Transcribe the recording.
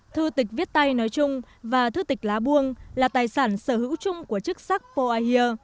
thư tịch viết tay nói chung và thư tịch lá buông là tài sản sở hữu chung của chức sắc po ahir